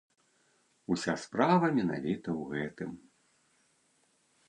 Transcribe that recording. Уся справа менавіта ў гэтым.